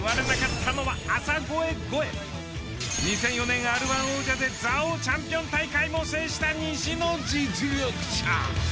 ２００４年Ｒ−１王者で「座王」チャンピオン大会も制した西の実力者。